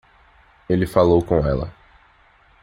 Ele falou com ela.